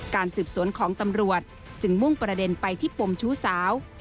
การสืบสวนของตำรวจจึงมุ่งประเด็นไปที่ปมชู้สาว